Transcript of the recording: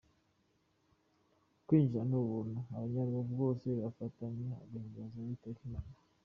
Kwinjira ni ubuntu abanya Rubavu bose bagafatanya guhimbaza Uwiteka Imana.